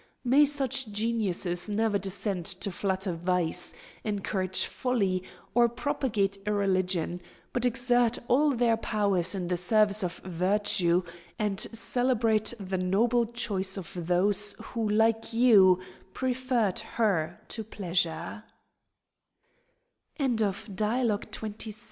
May such geniuses never descend to flatter vice, encourage folly, or propagate irreligion; but exert all their powers in the service of virtue, and celebrate the noble choice of those, who, like you, preferred her to p